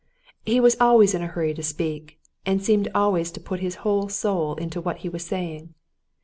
He was always in a hurry to speak, and seemed always to put his whole soul into what he was saying.